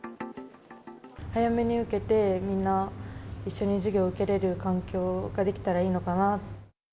早めに受けて、みんな一緒に授業を受けれる環境ができたらいいのかな。